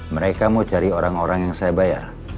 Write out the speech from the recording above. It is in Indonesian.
mereka mau cari orang orang yang saya bayar